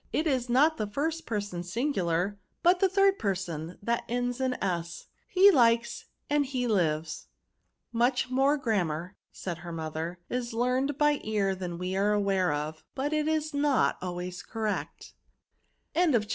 It is not the first person singular, but the third person, that ends in s, — ^he likes and he lives." *' Much more grammar," said her mother, is learned by the ear than we are aware of^ but it is not always correct."